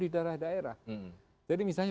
di daerah daerah jadi misalnya